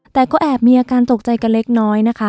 แต่ก็แอบมีอาการตกใจกันเล็กน้อยนะคะ